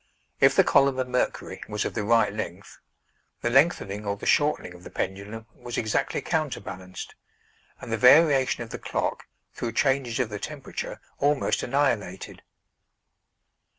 If the column of mercury was of the right length, the lengthening or the shortening of the pendulum was exactly counterbalanced, and the variation of the clock, through changes of the temperature, almost annihilated.